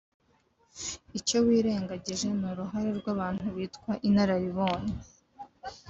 Icyo wirengangije n’uruhare rw’abantu bitwa (inararibonye